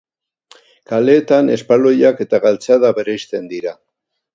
Kaleetan, espaloiak eta galtzada bereizten dira.